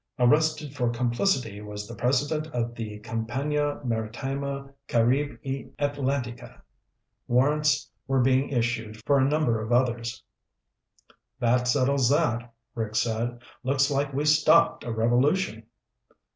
Arrested for complicity was the president of the Compania Maritima Caribe y Atlantica. Warrants were being issued for a number of others. "That settles that," Rick said. "Looks like we stopped a revolution!"